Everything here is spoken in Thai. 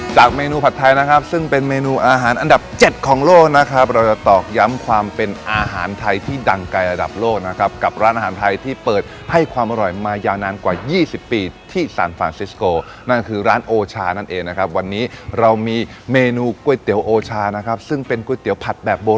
เมนูผัดไทยนะครับซึ่งเป็นเมนูอาหารอันดับเจ็ดของโลกนะครับเราจะตอกย้ำความเป็นอาหารไทยที่ดังไกลระดับโลกนะครับกับร้านอาหารไทยที่เปิดให้ความอร่อยมายาวนานกว่า๒๐ปีที่สานฟานซิสโกนั่นคือร้านโอชานั่นเองนะครับวันนี้เรามีเมนูก๋วยเตี๋ยวโอชานะครับซึ่งเป็นก๋วยเตี๋ยวผัดแบบโบ